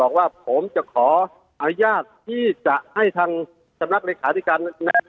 บอกว่าผมจะขออนุญาตที่จะให้ทางสำนักเลขาธิการ